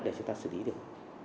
để chúng ta xử lý được